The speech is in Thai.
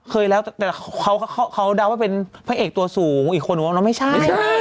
เคยแล้วแต่เขาดำเป็นพัฒน์ตัวสูงอีคนมึงก็ไม่ใช่